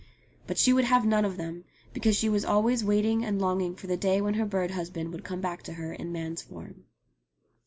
But she would have none of them, because she was always waiting and longing for the day when her bird husband would come back to her in man's form.